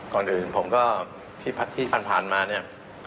ก่อนอื่นผมก็ที่ผ่านมาเนี่ย